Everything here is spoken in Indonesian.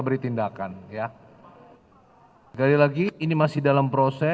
beri tindakan ya gaya lagi ini masih dalam proses